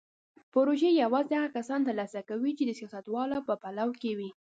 پروژې یوازې هغه کسان ترلاسه کوي چې د سیاستوالو په پلو کې وي.